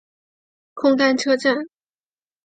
空丹车站。